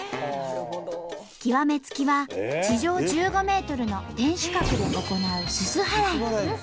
極め付きは地上１５ｍの天守閣で行うすす払い。